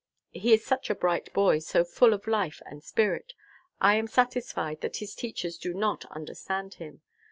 He is such a bright boy, so full of life and spirit. I am satisfied that his teachers do not understand him.